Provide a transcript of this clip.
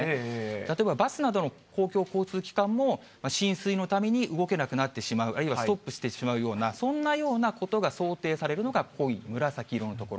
例えばバスなどの公共交通機関も浸水のために動けなくなってしまう、あるいはストップしてしまうようなそんなようなことが想定されるのが濃い紫色の所。